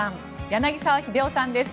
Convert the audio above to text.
柳澤秀夫さんです。